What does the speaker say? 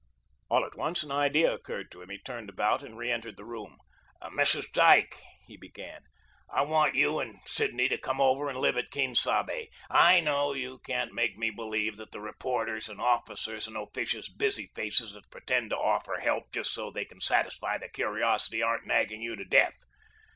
All at once an idea occurred to him. He turned about and reentered the room. "Mrs Dyke," he began, "I want you and Sidney to come over and live at Quien Sabe. I know you can't make me believe that the reporters and officers and officious busy faces that pretend to offer help just so as they can satisfy their curiosity aren't nagging you to death.